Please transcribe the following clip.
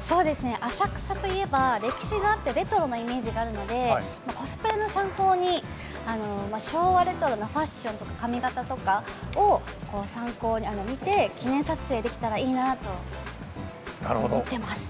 浅草といえば歴史があってレトロなイメージがあるのでコスプレの参考に昭和レトロなファッションと髪形とかを参考に見て記念撮影できたらいいなと思ってます。